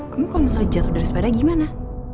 kamu kalau misalnya jatuh dari sepeda gimana